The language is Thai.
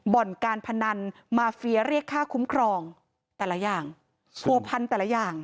บ่อนการพนันมาเฟียเรียกค่าคุ้มครองแต่ละอย่างผัวพันแต่ละอย่าง